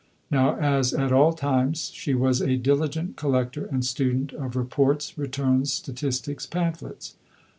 Now, as at all times, she was a diligent collector and student of reports, returns, statistics, pamphlets.